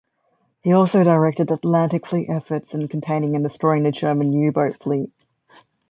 He also directed Atlantic Fleet efforts in containing and destroying the German U-Boat fleet.